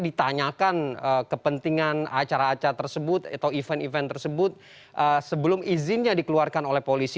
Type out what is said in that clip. ditanyakan kepentingan acara acara tersebut atau event event tersebut sebelum izinnya dikeluarkan oleh polisi